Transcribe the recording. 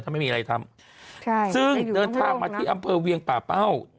ถ้าไม่มีอะไรทำใช่ซึ่งเดินทางมาที่อำเภอเวียงป่าเป้า